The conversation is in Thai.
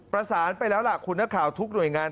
ประสานไปแล้วล่ะคุณนักข่าวทุกหน่วยงาน